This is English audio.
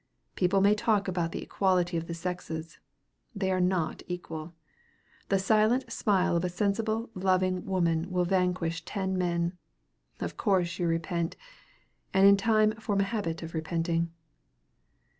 People may talk about the equality of the sexes! They are not equal. The silent smile of a sensible, loving woman will vanquish ten men. Of course you repent, and in time form a habit of repenting.